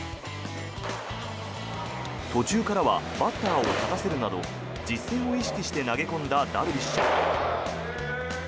途中からはバッターを立たせるなど実戦を意識して投げ込んだダルビッシュ。